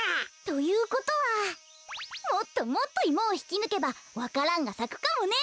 ということはもっともっとイモをひきぬけばわか蘭がさくかもね。